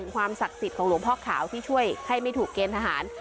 ความศักดิ์สิทธิ์ของหลวงพ่อขาวที่ช่วยให้ไม่ถูกเกณฑ์ทหาร